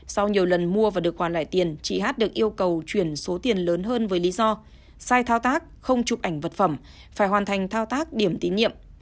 sau nhiều lần mua và được hoàn lại tiền chị hát được yêu cầu chuyển số tiền lớn hơn với lý do sai thao tác không chụp ảnh vật phẩm phải hoàn thành thao tác điểm tín nhiệm